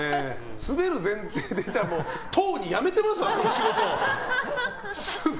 スベる前提でいたらとうにやめてます、この仕事を。